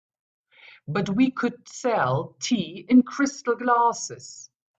But we could sell tea in crystal glasses.